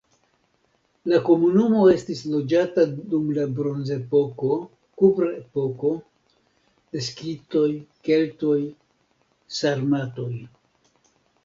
La komunumo estis loĝata dum la bronzepoko, kuprepoko, de skitoj, keltoj, sarmatoj.